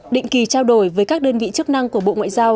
định kỳ trao đổi với các đơn vị chức năng của bộ ngoại giao